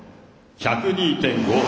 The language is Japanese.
１０２．５８！